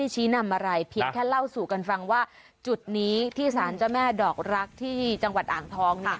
จากที่จังหวัดอ่างทอง